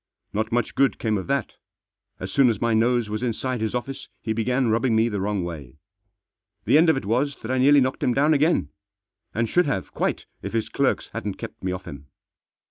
Not much good came of that As soon as my nose was Inside his office he began rubbing me the Wrong way. The end of it was that I nearly knocked him Digitized by 232 tffiE JOSS. down again. And should have quite if his clerks hadn't kept me off him.